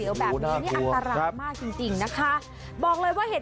วิทยาลัยศาสตร์อัศวิทยาลัยศาสตร์